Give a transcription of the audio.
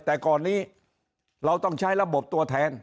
แต่ก่อนนี้เราต้องใช้ระบบตัวแทน